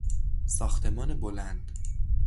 ساختمان بلند